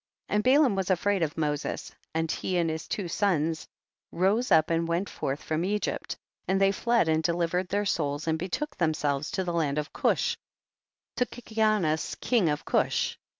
And Balaam was afraid of Moses, and he and his two sons rose up and went forth from Egypt, and they fled and delivered their souls and betook themselves to the land of Cush to Kikianus, king of Cush.